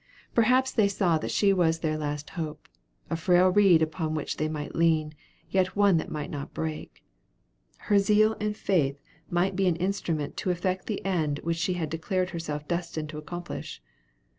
Perhaps they saw that she was their last hope, a frail reed upon which they might lean, yet one that might not break. Her zeal and faith might be an instrument to effect the end which she had declared herself destined to accomplish.